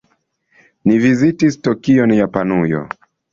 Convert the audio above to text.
Ni vizitis Tokion, Japanujo.